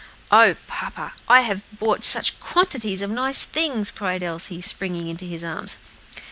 "O papa, I have bought such quantities of nice things," cried Elsie, springing into his arms.